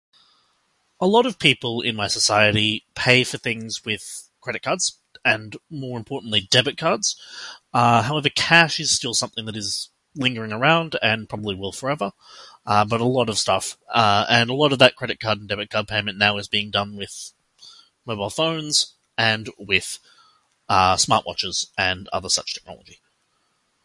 A lot of people in my society pay for things with credit cards, and more importantly debit cards. Uh, however, cash is still something that is lingering around and probably will forever. Um, but a lot of stuff, uh, and a lot of that credit card and debit card payment now is being done with mobile phones and with, uh, smartwatches and other such technology.